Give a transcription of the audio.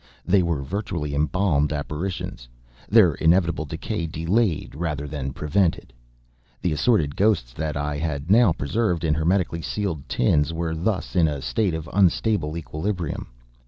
They were, virtually, embalmed apparitions, their inevitable decay delayed, rather than prevented. The assorted ghosts that I had now preserved in hermetically sealed tins were thus in a state of unstable equilibrium.